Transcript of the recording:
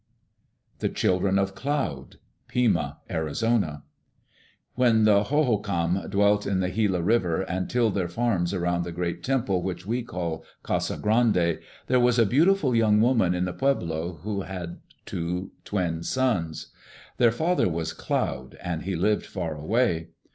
The Children of Cloud Pima (Arizona) When the Hohokam dwelt on the Gila River and tilled their farms around the great temple which we call Casa Grande, there was a beautiful young woman in the pueblo who had two twin sons. Their father was Cloud, and he lived far away.